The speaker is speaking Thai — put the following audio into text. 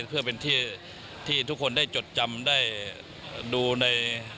เพื่อเป็นที่ทุกคนได้จดจำได้ดูใน